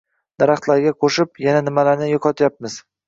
Daraxtlarga qo‘shib, yana nimalarni yo‘qotyapmiz?